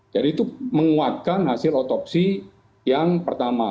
jadi itu menguatkan hasil otopsi yang pertama